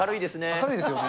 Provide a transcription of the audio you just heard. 明るいですよね。